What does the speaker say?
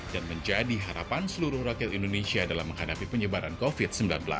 dan menjadi harapan seluruh rakyat indonesia dalam menghadapi penyebaran covid sembilan belas